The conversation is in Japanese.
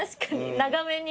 長めに。